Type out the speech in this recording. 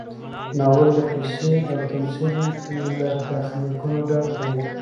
ناول د قصې او تمثیل له تخنیکونو ډک دی.